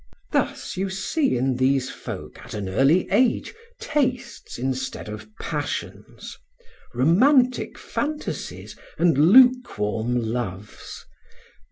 Thus you see in these folk at an early age tastes instead of passions, romantic fantasies and lukewarm loves.